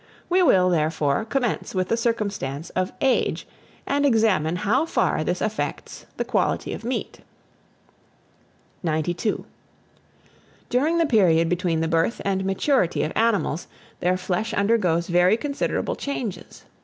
We will, therefore, commence with the circumstance of age, and examine how far this affects the quality of meat. 92. DURING THE PERIOD BETWEEN THE BIRTH AND MATURITY OF ANIMALS, their flesh undergoes very considerable changes.